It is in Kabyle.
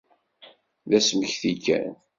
D asmekti kan.